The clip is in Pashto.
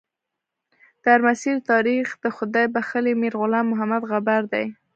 درمسیر تاریخ د خدای بخښلي میر غلام محمد غبار دی.